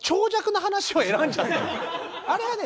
あれはね。